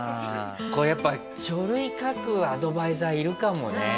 やっぱ書類書くアドバイザーいるかもね。